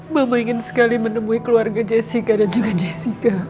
mama ingin sekali menemui keluarga jessica dan juga jessica